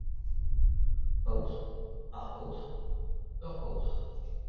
paotr, ar paotr, ur paotr